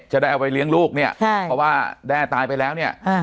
จะได้เอาไปเลี้ยงลูกเนี่ยเพราะว่าแด้ตายไปแล้วเนี่ย